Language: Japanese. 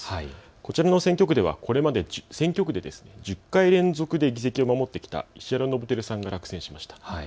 こちらの選挙区ではこれまで１０回連続で議席を守ってきた石原伸晃さんが落選しました。